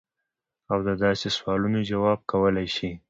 او د داسې سوالونو جواب کولے شي -